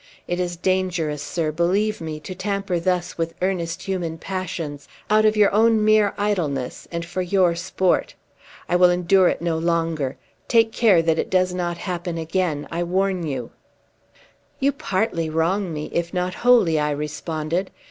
It is dangerous, sir, believe me, to tamper thus with earnest human passions, out of your own mere idleness, and for your sport. I will endure it no longer! Take care that it does not happen again! I warn you!" "You partly wrong me, if not wholly," I responded.